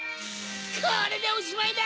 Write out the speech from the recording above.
これでおしまいだ！